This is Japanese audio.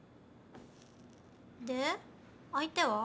で相手は？